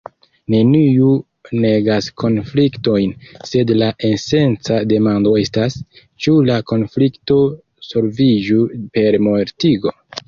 Neniu negas konfliktojn, sed la esenca demando estas, ĉu la konflikto solviĝu per mortigo?